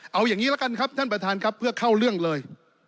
เอาอย่างนี้ละกันครับท่านประธานครับเพื่อเข้าเรื่องเลย